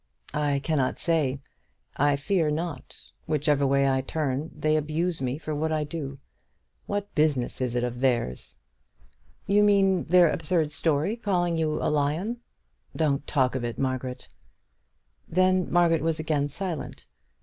"I cannot say. I fear not. Whichever way I turn, they abuse me for what I do. What business is it of theirs?" "You mean their absurd story calling you a lion." "Don't talk of it, Margaret." Then Margaret was again silent.